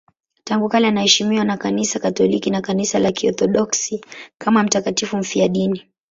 Tangu kale anaheshimiwa na Kanisa Katoliki na Kanisa la Kiorthodoksi kama mtakatifu mfiadini.